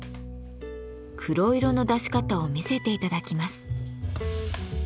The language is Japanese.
黒色の出し方を見せて頂きます。